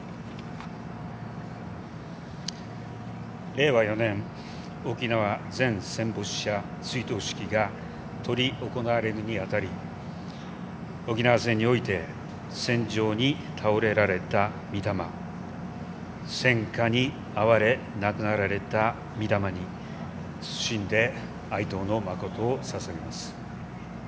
令和４年沖縄全戦没者追悼式が執り行われるにあたり沖縄戦において戦場に斃れられた御霊戦禍に遭われ亡くなられた御霊に謹んで哀悼の誠をささげます。